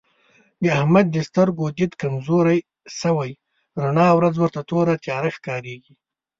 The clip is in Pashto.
د احمد د سترګو دید کمزوری شوی رڼا ورځ ورته توره تیاره ښکارېږي.